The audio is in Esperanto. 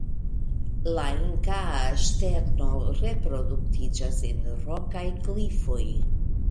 La Inkaa ŝterno reproduktiĝas en rokaj klifoj.